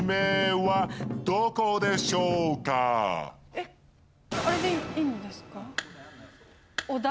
えっあれでいいんですか？